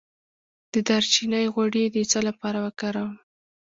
د دارچینی غوړي د څه لپاره وکاروم؟